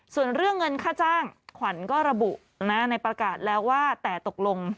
ส่วนเรื่องเงินค่าจ้างขวัญก็ระบุในประกาศแล้วว่าแต่ตกลง